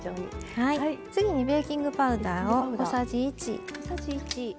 次にベーキングパウダーを小さじ１。